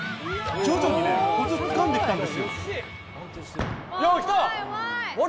徐々にコツを掴んできたんです。